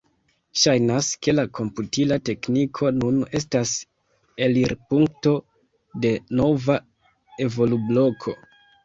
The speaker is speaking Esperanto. Ŝajnas ke la komputila tekniko nun estas elirpunkto de nova evolubloko.